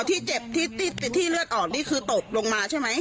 ที่เจ็บที่เลือดออกนี่คือตกลงมาใช่ไหม